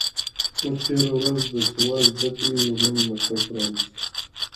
موږ تېره میاشت د سواد زده کړې یو نوی مرکز پرانیست.